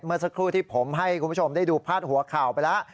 เมื่อสักครู่ที่ผมให้คุณผู้ชมได้ดูพาดหัวข่าวไปแล้ว